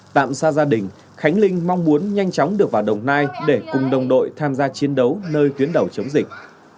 tạm xa gia đình khánh linh mong muốn nhanh chóng được vào đồng nai để cùng đồng đội tham gia chiến đấu nơi tuyến đầu chống dịch